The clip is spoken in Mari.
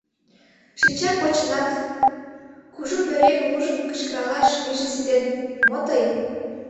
Шинчам почынат, кужу пӧръеҥым ужын, кычкыралаш вийже ситен: «Мо тый?